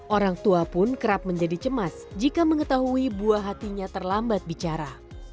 orang tua pun kerap menjadi cemas jika mengetahui buah hatinya terlambat bicara